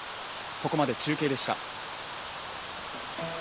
ここまで中継でした。